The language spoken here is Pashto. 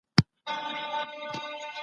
پرون ما له خپل ورور سره مرسته وکړه.